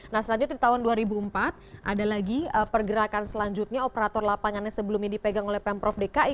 nah selanjutnya di tahun dua ribu empat ada lagi pergerakan selanjutnya operator lapangannya sebelumnya dipegang oleh pemprov dki